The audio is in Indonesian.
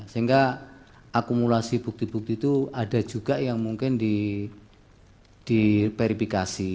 sehingga akumulasi bukti bukti itu ada juga yang mungkin diverifikasi